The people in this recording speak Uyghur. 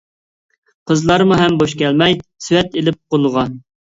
قىزلارمۇ ھەم بوش كەلمەي، سېۋەت ئېلىپ قولىغا.